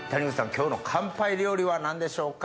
今日の乾杯料理は何でしょうか？